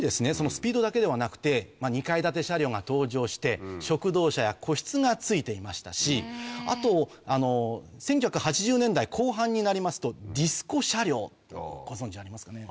スピードだけではなくて２階建て車両が登場して食堂車や個室がついていましたしあと１９８０年代後半になりますとディスコ車両ご存じありますかね？